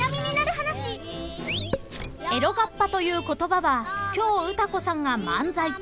［「エロガッパ」という言葉は京唄子さんが漫才中